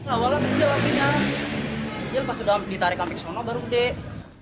awalnya kecil apinya kecil pas udah ditarik sampai ke sana baru dek